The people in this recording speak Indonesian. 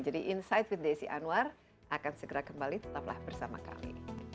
jadi insight with desi anwar akan segera kembali tetaplah bersama kami